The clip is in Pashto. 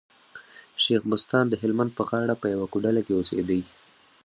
شېخ بستان د هلمند په غاړه په يوه کوډله کي اوسېدئ.